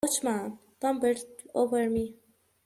A watchman tumbled over me.